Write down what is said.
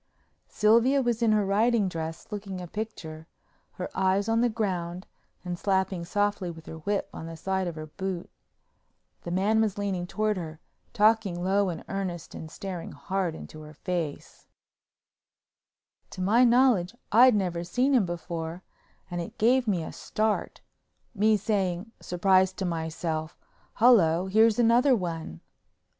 Sylvia was in her riding dress, looking a picture, her eyes on the ground and slapping softly with her whip on the side of her boot. The man was leaning toward her, talking low and earnest and staring hard into her face. Sylvia was in her riding dress, looking a picture To my knowledge I'd never seen him before, and it gave me a start—me saying, surprised to myself, "Hullo! here's another one?"